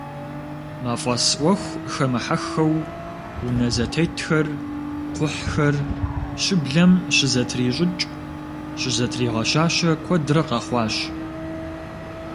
Мафӏэс ӏуэху хэмыхьэххэу, унэ зэтетхэр, кхъухьхэр, щыблэм щызэтрищӏыкӏ, щызэтригъэщащэ куэдрэ къэхъуащ.